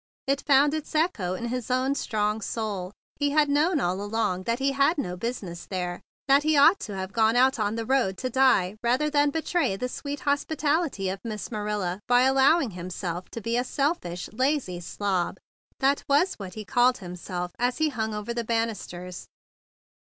It found its echo in his own strong soul. He had known all along that he had no business there, that he ought to have gone out on the road to die rather than betray the sweet hospi¬ tality of Miss Marilla by allowing him¬ self to be a selfish, lazy slob—that was what he called himself as he hung over the banisters.